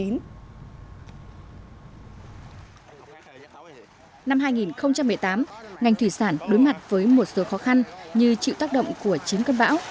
năm hai nghìn một mươi tám ngành thủy sản đối mặt với một số khó khăn như chịu tác động của chín cơn bão